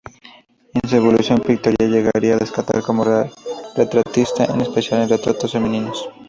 En su evolución pictórica llegaría a destacar como retratista, en especial en retratos femeninos.